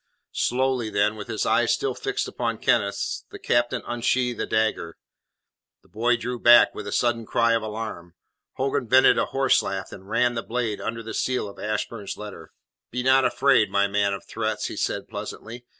Slowly then, with his eyes still fixed upon Kenneth's, the captain unsheathed a dagger. The boy drew back, with a sudden cry of alarm. Hogan vented a horse laugh, and ran the blade under the seal of Ashburn's letter. "Be not afraid, my man of threats," he said pleasantly.